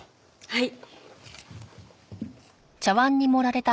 はい。